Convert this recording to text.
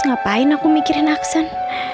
ngapain aku mikirin aksan